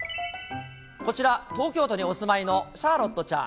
こちら、東京都にお住まいのシャーロットちゃん。